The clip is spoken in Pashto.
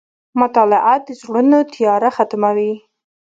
• مطالعه د زړونو تیاره ختموي.